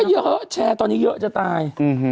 ไม่เยอะเชิงตอนนี้เยอะจะตาย